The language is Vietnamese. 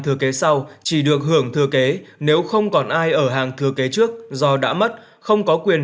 thừa kế sau chỉ được hưởng thừa kế nếu không còn ai ở hàng thừa kế trước do đã mất không có quyền